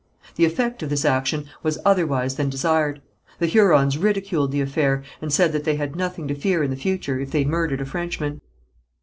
The effect of this action was otherwise than desired. The Hurons ridiculed the affair, and said that they had nothing to fear in the future if they murdered a Frenchman.